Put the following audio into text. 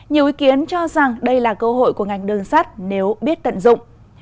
nhiều ý kiến cho rằng đây là cơ hội của ngành đường sắt nếu biết tận dụng